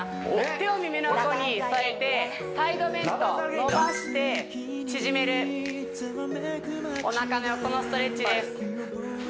手を耳の横に添えてサイドベンド伸ばして縮めるおなかの横のストレッチです